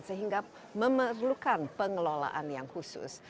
sehingga memerlukan pengelolaan yang khusus